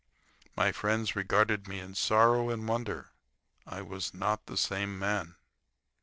My friends regarded me in sorrow and wonder. I was not the same man.